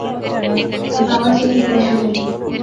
کتاواں چائی اوپر شوڑو